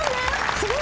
すごい。